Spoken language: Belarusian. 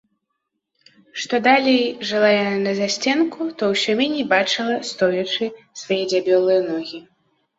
Што далей жыла яна на засценку, то ўсё меней бачыла, стоячы, свае дзябёлыя ногі.